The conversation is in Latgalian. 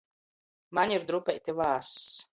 Maņ ir drupeiti vāss.